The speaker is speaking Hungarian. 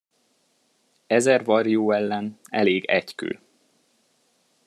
Ezer varjú ellen elég egy kő.